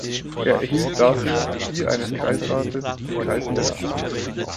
Er erhielt dafür die eines Kreisrates im Kreis Nidda.